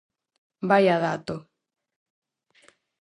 Vaia dato...